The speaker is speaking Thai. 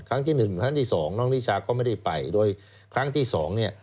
ครั้งที่๑ครั้งที่๒น้องนิชาก็ไม่ได้ไปโดยครั้งที่๒เนี่ย